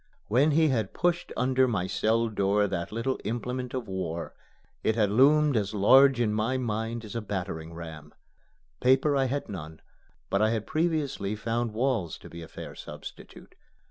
When he had pushed under my cell door that little implement of war, it had loomed as large in my mind as a battering ram. Paper I had none; but I had previously found walls to be a fair substitute.